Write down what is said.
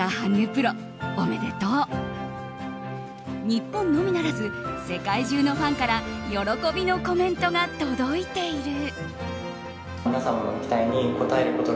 日本のみならず世界中のファンから喜びのコメントが届いている。